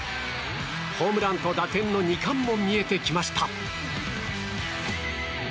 ホームランと打点の２冠も見えてきました。